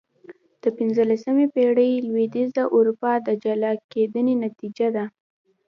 د پنځلسمې پېړۍ لوېدیځه اروپا د جلا کېدنې نتیجه ده.